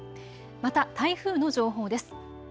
また台風の情報です。